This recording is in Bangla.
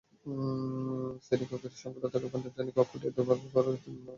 শ্রেণিকক্ষের সংকট থাকায় পঞ্চম শ্রেণির কক্ষটিও দুভাগ করার সিদ্ধান্ত নেওয়া হয়েছে।